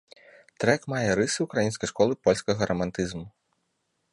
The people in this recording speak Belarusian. Трэк мае рысы ўкраінскай школы польскага рамантызму.